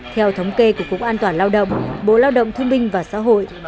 theo thống kê của cục an toàn lao động bộ lao động thương minh và xã hội